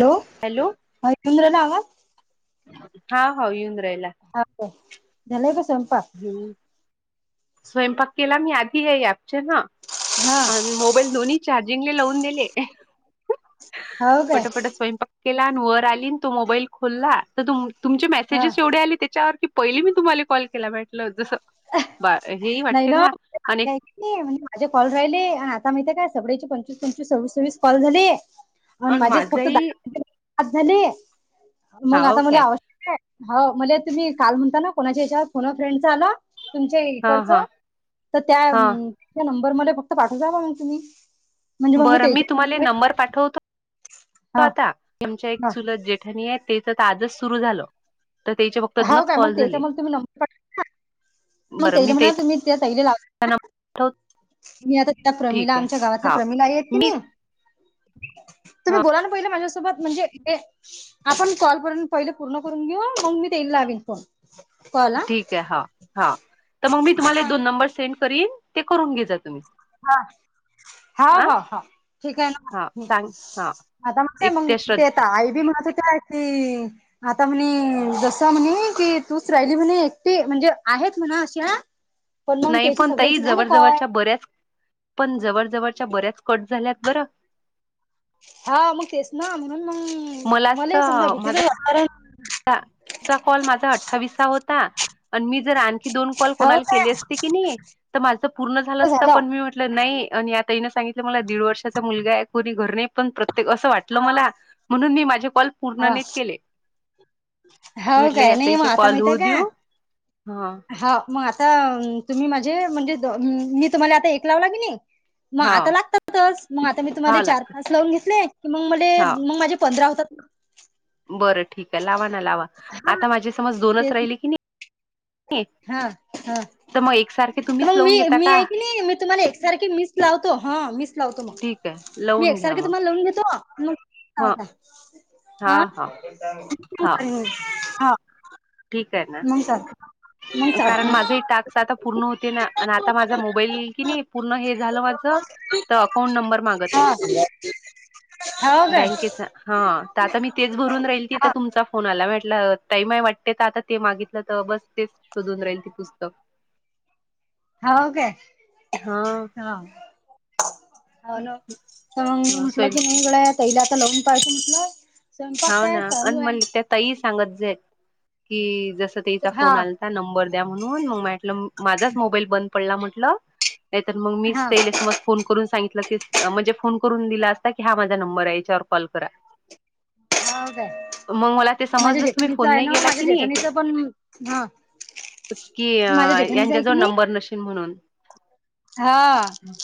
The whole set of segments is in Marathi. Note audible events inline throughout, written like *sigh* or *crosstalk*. हॅलो हॅलो ह चंद्रना. हा होा येऊन राहिला. हा का झाले का स्वयंपा- हम्म स्वयंपाक केला मी आधी आहे आपचे ना. हा आणि मोबाईल दोन्ही चार्जिंगले लावून दिले. होौ का. पटापट स्वयंपाक केला आणि वर आली तो मोबाईल खोलला तर तुमचे हा मेसेजेस एवढे आले त्याच्यावर कि पहि मी तुम्हाला कॉल केला भेटल जसं बा हेही *unintelligible* नाही वाटते न ना आणि म्हणजे माझे कॉल राहिले आणि आता माहितीय काय सगळे्याचे पंचवीस पंचवीस सव्वीस सव्वीस कॉल झाले. आणि माझेच फक्त दहा झाले मग हाव आता मध्ये काय आवश्यक आहे. हो म्हला तुम्ही काल म्हणता ना कोणाच्या याच्यावर कोणा फ्रेंड आला- तुमच्या हा इकडच हा तर त्या हा नंबर म फक्त पाठव द म मग तुम्ही. म्हणजे मग बरं मी तुम्हाला त्याच्या नंबर पाठवतो हा आता आमच्या एक चुलत जेठाणी आहेत. च आजच सुरु झालं तर त्या- हो काय मग तेचा मग तुम्ही नंबर मग बरं तेला मी म्हणा त्याचा तुम्ही त्या तैले लाव- नंबर तुम्ी आता त्या प्रमिला ठीक आहे आमच्या गावातल्या हा प्रमिला आहेत की मी नाही. तुम्ही ह बोला नां पहिले माझ्यासोबत म्हणजे हे, आपण कॉलपर्यंत पहिले पूर्ण करून घेऊ मग मी तेला हवीन फोन. कॉल हा ठीक आहे हा हा तर मग मी तुम्हाला दोन नंबर सेंड करीन ते करून घ्याचा तुम्ही. हा हा हा हा ठीक आहे हा ना सांग हा आता एक म त्या मग ते येत श्रद्धा आई बी म्हणा- काय ती. आता म्हणे जसा म्हणे कि तूच राहिली म्हणे एकटी म्हणजे आहेत म्हणा अशी, *inaudible* नाही पण तई जवळ जवळच्या बऱ्याच पण जवळ जवळच्या बऱ्याच कट झाल्यात बरं, हा मग तेच ना म्हणून मग मला समजा भीती जा कारण. तुचा कॉल माझा अठ्ठावीस होता. आणि मी जर आणखी दोन कॉल हो कोणाला काय केले असते की नाही, तर माझ पूर्ण झालं असता पण मी म्हटलं नाही आणि, ताईने सांगितलं मला दीड वर्षाचा मुलगा आहे कोणी घर नाही पण प्र- ते असं वाटलं हा मला म्हणून मी माझे कॉल पूर्ण हा नाही त केले. हो म्हटलं काय या नाही मग ताईच्या आता कॉल माहित होऊ का देऊ हा ह- मग आता तुम्ही माझे म्हणजे मी तुम्हाला आता एक लावला की नाही. मग हा आता लागतातच मग आता मी तुम्हा हा चार लागत पाच लावून घेतले. की मग मले हा मग माझे पंधरा होतात. बरं ठीक आहे लावा ना लावा हा आता माझी समज दोनच तेच राहिली की नाही. हा हा तर मग एकसारखे तुम्हीच मग मी लावून घेता मी का आहे की नाही मी तुम्हाला एकसारखी मिस लावतो हा मिस लावतो मग. ठीक आहे मी लावून घ्या एकसारखे मग तुम्हाला लोन घेतो मग, ह ह हा हा हा ह ठीक आहे ना ह सर. कारण माझ हे टास्क आता पूर्ण होते ना आणि आता माझा मोबाईल कि नाही पूर्ण हे झालं माझं. तर अकाउंट नंबर मागत हा आहे हो काय बँकेचा. हा तर आता मी तेच भरून राहील की तर तुमचा फोन आला म्हटलं तई माय वाटते तर आता. ते मागितलं तर बस तेच शोधून राहील ते पुस्तक. हो का हा. होल तर मग मी ह म्हटल स्वयं की म इकडे तला आता लवन पाहिज म्हटलं. स्वयंपाक हाव काय ना चालू आणि आहे. म्हणले त्या त सांगत जा की जस त्याचा हा फोन आला. नंबर द्या म्हणून मग माटलं माझाच मोबाईल बंद पडला म्हटलं नाही तर मग मीस हा समज फोन करून सांगितलं की म्हणजे फोन करून दिला असता की हा माझा नंबर आहे याच्यावर कॉल करा. हाव का? मग मला ते माझ्या समजलंच मी जेठाणीचं फोन आहे नाही ना, केला माझ्या की नाही जेठाणीच पण हा. कि अ माझ्या जेठणीचं यांच्या आहे की जवळ नाही नंबर नशील म्हणून. हा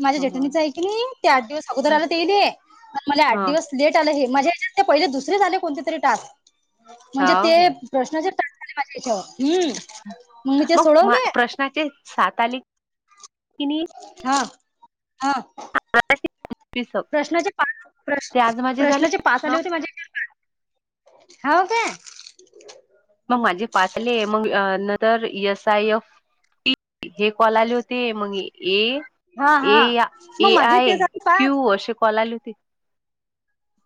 माझ्या ह जेठणीचं आहे की नाही ते आठ दिवस अगोदर आला ते येईल प मला आठ ह दिवस. लेट आलं हे माज्या हच्यात पहिले दुसर आले कोणते तरी टास्क म्हणजे हाव ते- काय प्रश्नच येतात खाली माझ्या इथ मग प्रश्नाचे सात आली किनी? हा हा. प्रश्नाचे पा प्र् ते आज माझे झाले प्रश्नाचे पाच पूर्ण. आले होते माझ्या इथ हाव का? मग माझे पाच आले, मग नतर इ एस आय एफ हे कॉल आले होते मग ये हा ए हा मग ए माझे आय ते झाले पाच क्यू असे कॉल आले होते.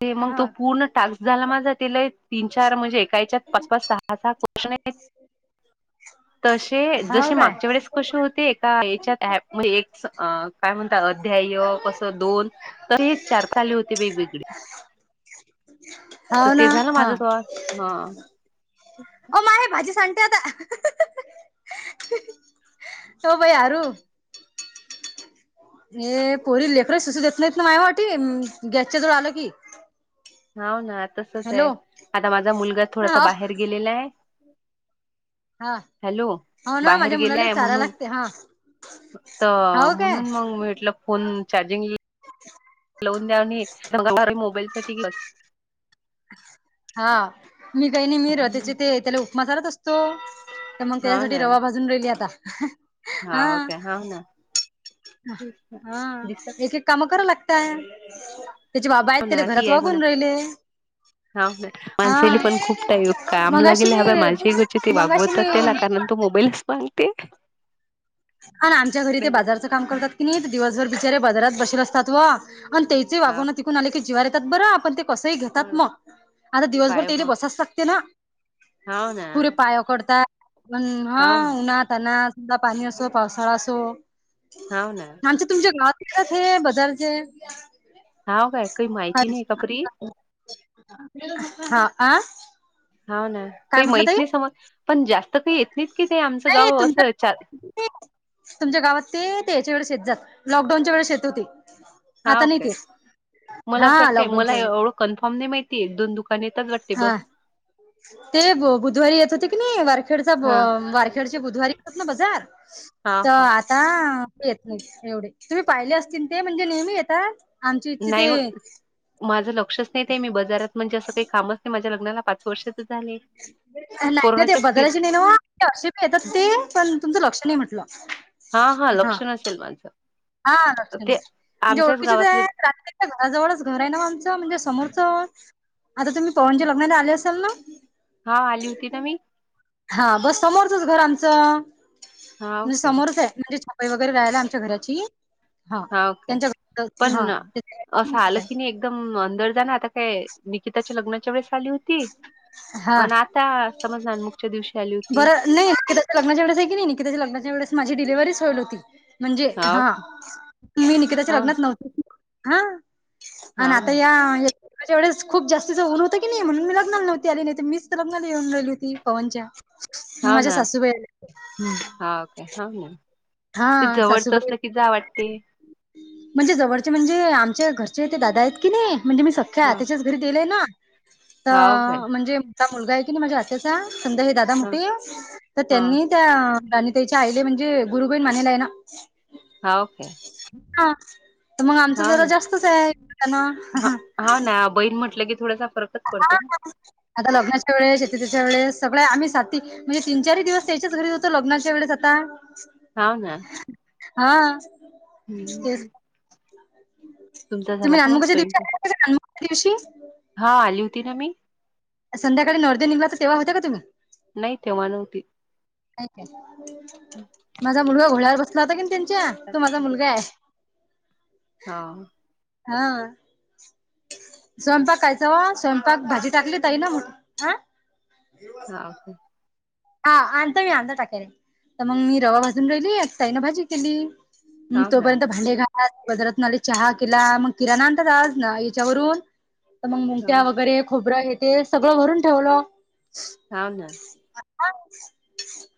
ते मग हा तो पूर्ण टास्क झाला माझा, तीला एक तीन चार म्हणजे एका हेच्यात पाच पाच सहा आता क्वेशन आहे, तसे हाव जसे काय मागचे वेळेस कसे होते एका हेच्यात ॲप म्हणजे, एक्स अ काय म्हणतात, अध्याय कसं दोन तर हे चार झाले होते, वेगवेगळे तर हाव ना ते झालं माझ हा सोडा ह. अ माहे भाजी सांडतेे आता, हो बाई आरु हे पोरी लेकर सूचू देत नाहीत ना, माह्या वाट गॅसच्या जवळ आलं की हाव ना तसच हॅलो हाय, आता माझा मुलगा थोडासा हा बाहेर गेलेला हाय हा हॅलो हो ना बाहेर माझ्या मुलाला गेलाय चारा म्हणून लागते हा त हो काय म्हणून मग भेटलं फोन चार्जिंग अच्छा *unintelligible* लावून द्या मी मोबाईलसाठी घेवून बस हा मी काही नाही, मी र त्याचे ते त्याला उपमा चारत असतो, तर मग हा त्यासाठी ना रवा भाजत *unintelligible* घे आता हा ओके हाव ना. हा दिसत एक एक काम करू लागताय. त्याचे बाबा आहेत, त्याले म्हणा ती घरात आहे म्हणा वागून राहिले. हा ब माणसेली हा पण खूप टाईम काम मगाशी लागेले, हाव माझी घरची ते मी मगाशी मी वागवतात त्याला कारण तो मोबाईलच मांगते. आणि आमच्या घरी ते बाजारचं काम करतात की नाही, दिवसभर बिचारे बाजारात बसेल असतात ओ आणि ते जे हा वागुन तिकून आले की, जेवायला येतात बरं आपण ते कसही घेतात, हो ना मग आता दिवसभर पाय तेले बसाच लागते ना. हाव ना पुरे पाया पडतात, पण हा हाव ना उन्हातान्हात णा पाणी असो पावसाळा असो, हाव ना आमचे तुमच्या गावातच हे बदलते. हाव काय कही मा *unintelligible* हा आ. हाव ना काय काही म्हटलं माहीत ताई नाही, समज पण जास्त काही येत नाहीत की ते, आमचं नाही गाव असं चा तुमच्या तुमच्या गावात ते ते याच्या वेळेस येत जात, लॉकडाऊनच्या वेळेस येत होते, आता हा नाही काय येत मला असं वाटतंय, मला एवढं कन्फर्म नाही माहितीे तुझ दुकान इथच वाटतय हा बस ते ब बुधवारी येत होते की, नाही वारखेडचा बा हा वारखेडचे बुधवारीच येतात ना बजार हा तर हो हा येत नाही एवढेच, तुम्ही पाहिले असतील ते म्हणजे नेहमी येतात. आमच्या इथचे नाही ते व माझं लक्षच नाही, ते मी बजारात म्हणजे असं काही कामच नाही माझ माह्या लग्नाला पाच वर्ष तर झाले ती लँग्वे ती कोरोनाच्याच पिर बदलायची नाही न्हव. ते असिप येतात, ती पण तुमचं लक्ष नाही म्हटलं. हा हा लक्ष नसेल माझं. हा लक्ष ते नसेल, म्हणजे आमच्याच ओळखीचीच गावातले हाएत रात्री तुमच्या घराजवळच घर आहे नाओ आहे. आमचं म्हणजे समोरचं आता तुम्ही पवनच्या लग्न झाले असेल ना? हा आली होती ना मी हा बस समोरचंच घर आमचं, हा म्ह ओके समोरच हाय म्हणजे वगैरे राहियला आच्या घराची हा. पण *inaudible* असं आलं की नाही एकदम अंदर जाण आता काय निकिताच्या लग्नाच्या वेळेस आली होती. हा. ता समज नाानमुगच्या दिवशी आली होती. बरं नाही तीच्या लग्नाच्या वेळेस आहे की नाही कि निकिताच्या लग्नाच्या वेळेस माझी डिलेव्हच होत होती. म्हणजे हा मी निकिताच्या हा लग्नात नव्हते. हा. अ न हा आता या लग्नाच्या वेळेस खूप जास्तीच ऊन होत की नाही म्हणून मी लग्नाला न्हवते आली नाही तर मीच लग्नाला येऊन राहिली होती पवनच्या. मग हा माझ्या ना सासूबाई आल्या हा का हा ना हा ते जवळच सासूबाई असल कि झाव वाटते. म्हणजे जवळचे म्हणजे आमच्या घरचे ते दादा आहेत की नाही म्हणजे मी सख्या ह आत्याच्याच घरी देलय ना हाव काय तर म्हणजे हा मुलगा आहे की नाही माझ्या आात्याचा संदा हे दादा ह मोठे तर ह त्यांनी त्यां राणी ताईच्या आईले म्हणजे गुरु गोईण म्हणालाय ना. हा ओके. ह तर मग आमचा जरा जास्तच आहेना. हा ना बहीण म्हटलं की थोडासा फरक आता लग्नाच्या वेळेस शेतीतेच्या वेळेस सगळे आम्ही साथी म्हणजे तीन चारही दिवस त्याच्याच घरीच होतो लग्नाच्या वेळेस आता. हा ना. हा तेच. हम्म तुमचा *inaudible* झाला का मग स्वयंपाक हा आली होती ना मी. संध्याकाळी नर्दे निलाच सेवा तेव्हा होता का तुम्ही? नाही तेव्हा नव्हते. माझा मुलगा घोड्यावर बसला होता की त्यांच्या तो माझा मुलगा आहे. *inaudible* हा. हा. स्वयंपाक खायचा वा स्वयंपाक भाजी टाकली ताई न हा *unintelligible* हा आणता मी अता टाकायला तर मग मी रवा भाजून राहिली. ताईनं भाजी केली. म हाव ना तोपर्यंत भांडे घा बाजारातून आले चहा केला मग किराणा आणतात आज ना याच्यावरून तर मग ह मोंगट्या वगैरे खोबरं हे ते सगळं भरून ठेवलं हा ना.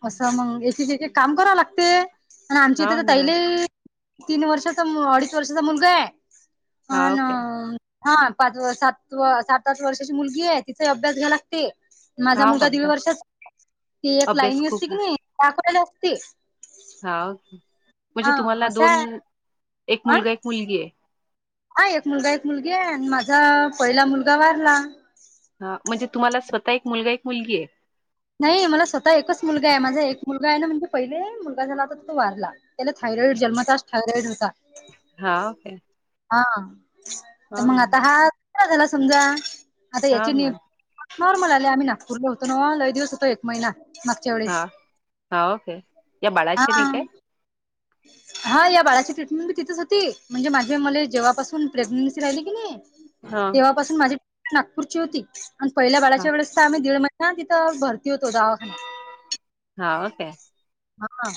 असं मंग एक एक एक काम करावं लागते आणि आमच्या इथे हाव तर ना तैले तीन वर्षाचा अडीच वर्षाचा मुलगा आहे हा हाव ना. काय हा पाच सात सात आठ वर्षाची मुलगी आहे तिच अभ्यास घ्यायला लागते माझा हाव मुलगा दीड अभ्यास वर्षातचा ती एक अभ्यास लाईनी असती खूप की नाही त्याक असती हा म्हणजे तुम्हाला असं दोन आहे. एक हा मुलगा एक मुलगी आहे. हा एक मुलगा एक मुलगी आहे. आणि माझा पहिला मुलगा वारला. हा म्हणजे तुम्हाला स्वतः एक मुलगा एक मुलगी आहे. नाही मला स्वतः एकच मुलगा आहे माझा एक मुलगा आहे ना म्हणजे पहिले मुलगा झालाता तो वारला त्याला थयॉइड जन्ताास थयरॉइड होता हा ओके हा तर मग आता हा झाला समजा आता याची हाव नि ना नॉर्मल आले आम्ही नागपूरले होतो ना लय दिवस होतो एक महिना. मागच्या हा वेळेस हा ओके या हा बाळाचे नाही काय? *inaudible* हा या बाळाची ट्रीटमेंट मी तिथेच होती म्हणजे माझे म जेव्हापासून प्रेग्नेन्सी राहिली की नाही हा तेव्हापासून माझी नागपूरची होती आणि पहिल्या हा बाळाच्या वेळेस तर आम्ही दीड महिना ना तिथं भरती होतो दवाखान्यात हा ओके हा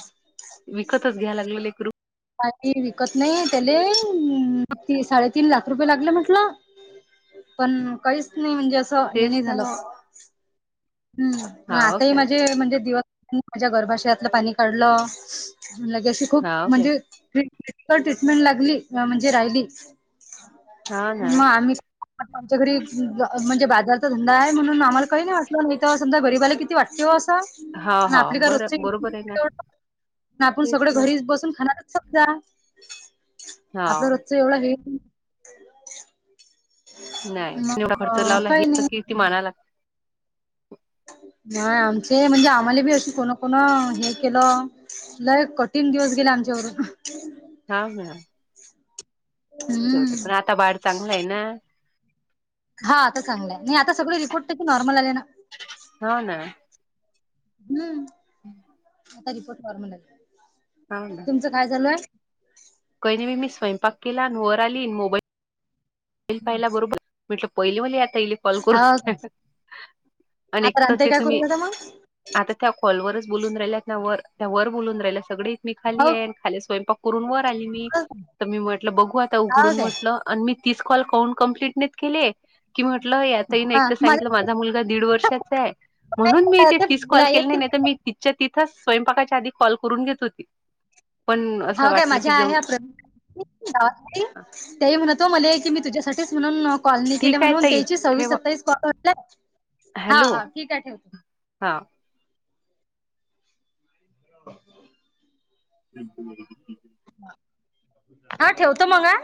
विकतच घ्याय लागले लेकरू काही विकत नाही त्याले त साडेतीन लाख रुपये लागले म्हटलं पण काहीच नाही म्हणजे असं हे तेच नाही ना झालं मग हम् हाव आता ह काय माझे म्हणजे दिवस माझ्या गर्भाशयातलं पाणी काढलं म्ह लगे अशी खूप हाव काय म्हणजे ट्रीटमेंट लागली म्हणजे राहिली हाव ना मग आम्ही आता आमच्या घरी म्हणजे बाजारचा धंदा आहे म्हणून आम्हाला काही नाही समजा गरीबाला किती वाटतेव हाव असं आपली हाव काय बर रोजचे बरोबर आहे ना आपण तेच सगळ ना घरी बसून खाणार *inaudible* जा आपलं हाव रस्त एवढं हेल नाही एवढा खर्च मग लावला काही ह नाही की ती म्हणाय लाग नाही आमचे म्हणजे आम्हाला बी अशी कोण कोण हे केलं लय कठीण दिवस गेला आमच्यावरून हा ना होत हम्म पण आता बाळ चांगला आहे ना हा आता चांगलं आहे नाही आता सगळे रिपोर्ट त्या नॉर्मल आले ना हाव ना हम्म आता रिपोर्ट नॉर्मल आले हा ना तुमचं काय झालाय कही मी स्वयंपाक केला वर आली मोबाईल पाहिला बरोबर म्हटलं पहिल म्ह आता येई *unintelligible* कॉल हा करून आणि एक आता तर रांधताय ते काय तुम्ही करू आता मग आता त्या कॉलवररच बोलून राहिल्यात वर त्या वर बोलून राहिल्या सगली मी हो खाली आहेन खाली स्वयंपाक करून वर आली मी हो तर मी म्हटलं बघू आता उघडून काय म्हटलं आणि मी तीस कॉल काउं कम्प्लिट नाही केली कि म्हटलं या ताई नाही एक हा तर सांगितलं मला माझा मुलगा दीड वर्षाचा आहे. म्हणून मी ते तीस फॅमिली कॉल आहेत केले की नाही नाही तर मी. तिथच्या तिथंच स्वयंपाकाच्या आधी कॉल करून घेत होती पण असं हो काय वाटलं की माझ्या ज. आहे हा प्रवीण तेही म्हणतो मला की मी तुझ्यासाठीच म्हणून. कॉलनी केले ठीक आहे म्हणून ताई त्याची सव्वीस ठेवा सत्तावीस पॉट हा हॅलो हा ठीक आहे ठेवतो. हा हम ह हा ठेवतो मग हा.